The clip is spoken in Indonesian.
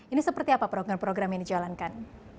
ini seperti apa program program yang dijalankan